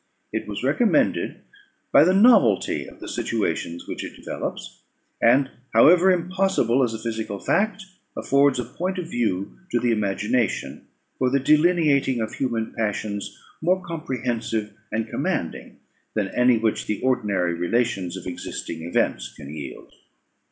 It was recommended by the novelty of the situations which it developes; and, however impossible as a physical fact, affords a point of view to the imagination for the delineating of human passions more comprehensive and commanding than any which the ordinary relations of existing events can yield.